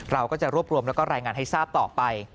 เราก็จะรวบรวมแล้วก็รายงานให้ทราบต่อไป